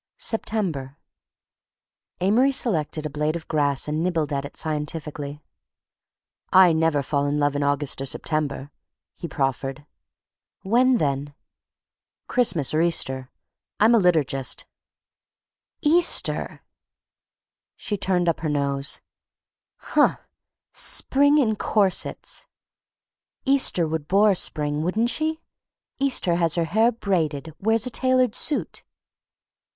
SEPTEMBER Amory selected a blade of grass and nibbled at it scientifically. "I never fall in love in August or September," he proffered. "When then?" "Christmas or Easter. I'm a liturgist." "Easter!" She turned up her nose. "Huh! Spring in corsets!" "Easter would bore spring, wouldn't she? Easter has her hair braided, wears a tailored suit."